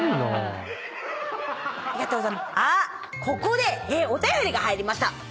ここでお便りが入りました。